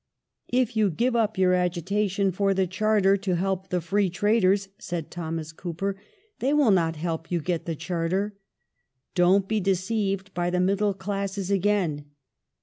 " If you give up your agitation for the Charter to help the Free Traders,'' said Thomas Cooper, " they will not help you to get the Charter. Don't be deceived by the middle classes again.